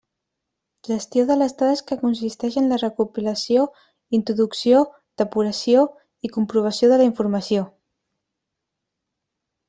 Gestió de les dades que consisteix en la recopilació, introducció, depuració i comprovació de la informació.